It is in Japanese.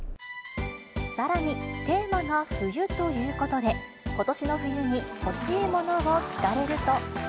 さらに、テーマが冬ということで、ことしの冬に欲しいものを聞かれると。